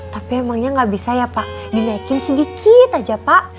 tapi emangnya nggak bisa ya pak dinaikin sedikit aja pak